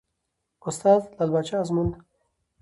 استاد : لعل پاچا ازمون